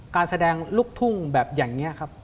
การแสดงลูกทุ่งแบบอย่างนี้ครับ